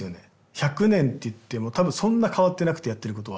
１００年って言っても多分そんな変わってなくてやってることは。